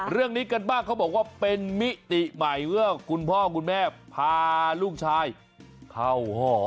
เรื่องนี้กันบ้างเขาบอกว่าเป็นมิติใหม่เมื่อคุณพ่อคุณแม่พาลูกชายเข้าหอ